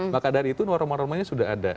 maka dari itu norma normanya sudah ada